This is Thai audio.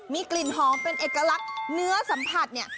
มีกลิ่นหอมเป็นเอกลักษณ์เนื้อสัมผัสเนี่ย